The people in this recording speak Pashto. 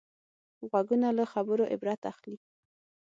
غوږونه له خبرو عبرت اخلي